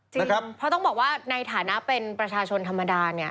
เพราะต้องบอกว่าในฐานะเป็นประชาชนธรรมดาเนี่ย